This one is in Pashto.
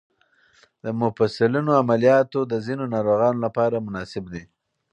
د مفصلونو عملیات د ځینو ناروغانو لپاره مناسب دي.